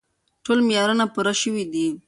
ټول معیارونه پوره شوي دي.